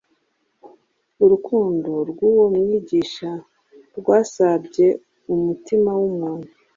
Urukundo rw’uwo Mwigisha rwasabye umutima w’umuntu,